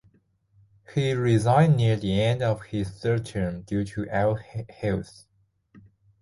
He resigned near the end of his third term due to ill health.